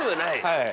はい。